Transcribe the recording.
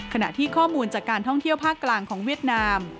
ขณะที่ข้อมูลจากการท่องเที่ยวภาคกลางของเวียดนาม